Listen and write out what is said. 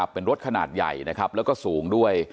เป็นรถขนาดใหญ่และสูงด้วย